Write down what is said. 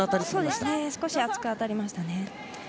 そうですね、少し厚く当たりましたね。